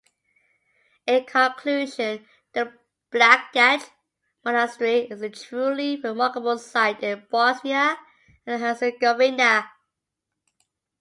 In conclusion, the Blagaj Monastery is a truly remarkable site in Bosnia and Herzegovina.